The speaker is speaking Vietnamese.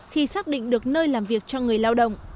khi xác định được nơi làm việc cho người lao động